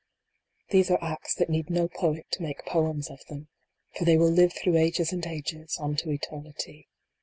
These are acts that need no Poet to make poems of them ; for they will live through ages and ages, on to Eternity.